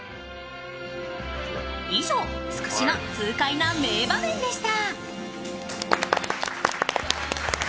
以上、つくしの痛快な名場面でした。